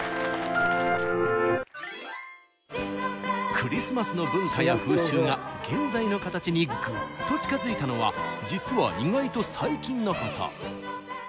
クリスマスの文化や風習が現在の形にぐっと近づいたのは実は意外と最近のこと！